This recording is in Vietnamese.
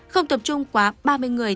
không tập trung quá ba mươi người